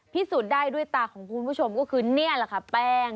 พิสูจน์ได้ด้วยตาของคุณผู้ชมก็คือนี่แหละค่ะแป้ง